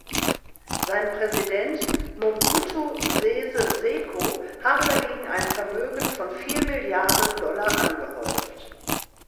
Sein Präsident Mobutu Sese Seko habe dagegen ein Vermögen von vier Milliarden Dollar angehäuft.